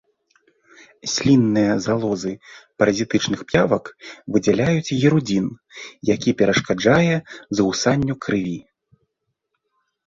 Слінныя залозы паразітычных п'явак выдзяляюць гірудзін, які перашкаджае згусанню крыві.